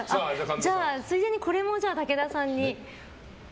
ついでにこれも、武田さんに。